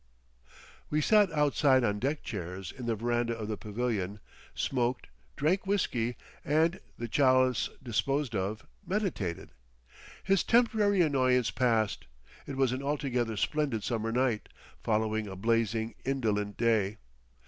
We sat outside on deck chairs in the veranda of the pavilion, smoked, drank whisky, and, the chalice disposed of, meditated. His temporary annoyance passed. It was an altogether splendid summer night, following a blazing, indolent day.